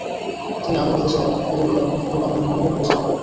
তিনি আবুল-ফজল, আবুল ফদল ও আবুল ফদল 'আল্লামি নামেও পরিচিত।